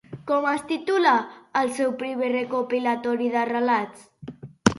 Com es titula el seu primer recopilatori de relats?